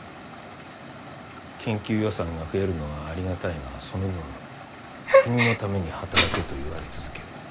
研究予算が増えるのはありがたいがその分「国のために働け」と言われ続ける。